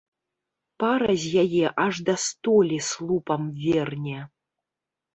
Пара з яе аж да столі слупам верне.